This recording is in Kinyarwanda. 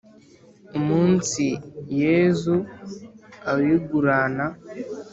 umunsi yezu awigurana